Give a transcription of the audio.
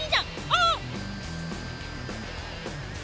ああ！